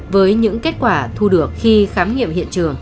với những kết quả thu được khi khám nghiệm hiện trường